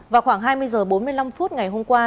vào khoảng hai mươi h bốn mươi năm phút ngày hôm qua